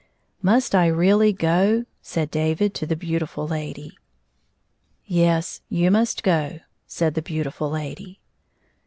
" Must I really go ?" said David to the beauti ftd lady. 89 " Yes ; you must go/' said the beautiM lady.